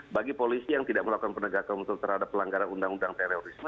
bagi polisi yang tidak melakukan penegakan hukum terhadap pelanggaran undang undang terorisme